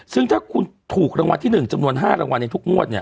ซึ่งถ้าคุณถูกรางวัลที่๑จำนวน๕รางวัลในทุกงวดเนี่ย